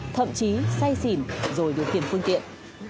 thậm chí say xỉn rồi điều khiển phương tiện